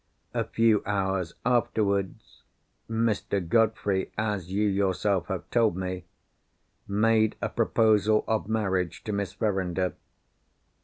A few hours afterwards, Mr. Godfrey (as you yourself have told me) made a proposal of marriage to Miss Verinder.